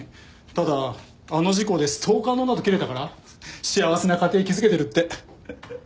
ただあの事故でストーカーの女と切れたから幸せな家庭築けてるって。